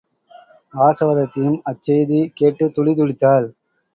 வாசவதத்தையும் அச்செய்தி கேட்டுத் துடிதுடித்தாள்.